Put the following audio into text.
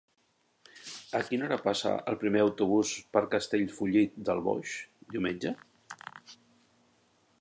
A quina hora passa el primer autobús per Castellfollit del Boix diumenge?